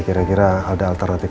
kira kira ada alternatif